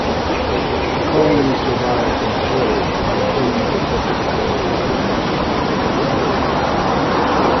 The colony survived and flourished by turning to tobacco as a cash crop.